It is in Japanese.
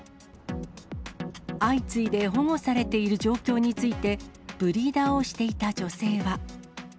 相次いで保護されている状況について、ブリーダーをしていた女性は。